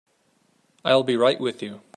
I'll be right with you.